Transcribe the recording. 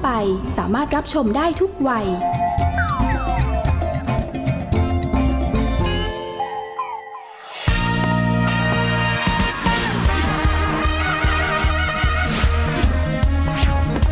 แม่ว้านประจันตรวจ